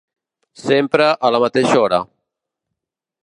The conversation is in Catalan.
Sempre a la mateixa hora.